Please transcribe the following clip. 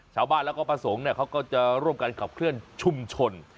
ชาวบ้านแล้วก็พระสงฆ์เขาก็จะร่วมกันขับเคลื่อนชุมชน